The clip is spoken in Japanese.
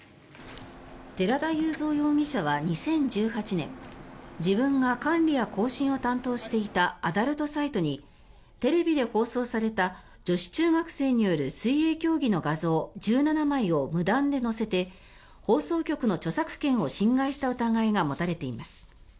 寺田祐三容疑者は２０１８年自分が管理や更新を担当していたアダルトサイトにテレビで放送された女子中学生による水泳競技の画像１７枚を無断で載せて、放送局の著作権を侵害した疑いが持たれています。